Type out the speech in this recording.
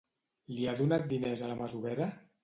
Li ha donat diners a la masovera?